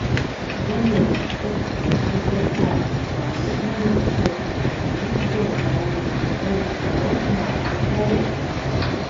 Замежныя эксперты звяртаюць увагу на невысокі ўзровень золатавалютных рэзерваў нашай краіны.